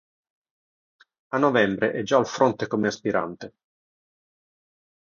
A novembre è già al fronte come aspirante.